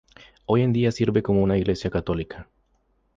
Hoy en día sirve como una iglesia católica.